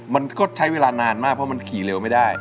มันก็ใช้เวลานานมากเพราะมันขี่เร็วไม่ได้